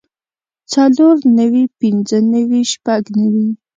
څلور نوي پنځۀ نوي شپږ نوي